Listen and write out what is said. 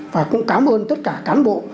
và cũng cảm ơn tất cả cán bộ